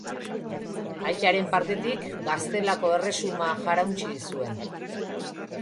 Aitaren partetik Gaztelako Erresuma jarauntsi zuen.